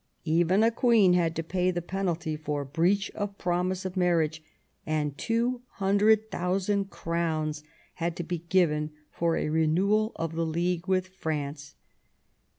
Even a Queen had to pay the penalty for breach of promise of marriage ; and two hundred thousand crowns had to be given for a renewal of the league with France.